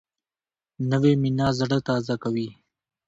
نوې مینه زړه تازه کوي